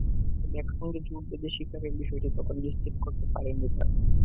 তবে একসঙ্গে জোট বেঁধে শিকারের বিষয়টি তখন নিশ্চিত করতে পারেননি তাঁরা।